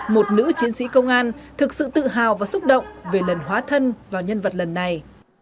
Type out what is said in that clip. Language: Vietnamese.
một nữ chiến sĩ công an thực sự tự hào và xúc động về lần hóa thân vào nhân vật lần này